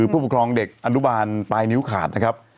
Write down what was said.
ผู้ปกครองเด็กปลายนิ้วขาด